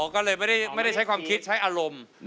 ก็เลยไม่ได้ใช้ความคิดใช้อารมณ์